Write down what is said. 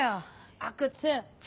阿久津！